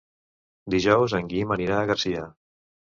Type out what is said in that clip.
Dijous en Guim anirà a Garcia.